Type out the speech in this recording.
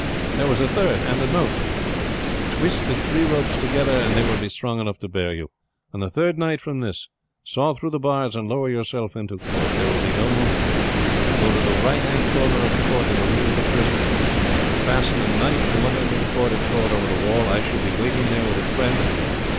There was a third, and a note, 'Twist the three ropes together and they will be strong enough to bear you. On the third night from this, saw through the bars and lower yourself into court. There will be no moon. Go to the right hand corner of the court in the rear of the prison. Fasten a knife to one end of the cord and throw it over the wall. I shall be waiting there with a friend.